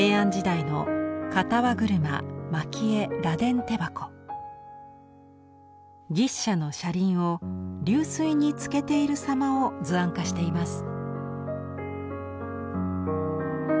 まずは牛車の車輪を流水につけている様を図案化しています。